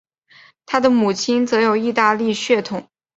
他的母亲则有意大利血统。